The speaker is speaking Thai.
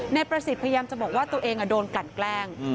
นายประสิทธิ์พยายามจะบอกว่าตัวเองโดนกลั่นแกล้ง